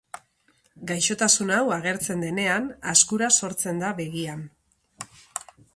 Gaixotasun hau agertzen denean azkura sortzen da begian.